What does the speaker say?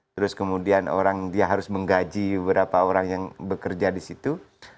terus kemudian orang dia harus menggaji beberapa orang yang bekerja di situ